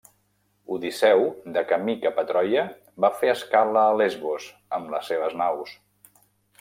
Odisseu, de camí cap a Troia va fer escala a Lesbos amb les seves naus.